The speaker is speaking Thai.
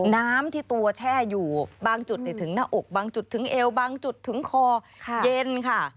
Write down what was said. น้ำที่ตัวแช่อยู่บางจุดถึงหน้าอกบางจุดถึงเอวบางจุดถึงคอเย็นค่ะ